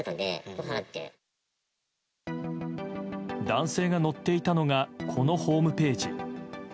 男性が載っていたのがこのホームページ。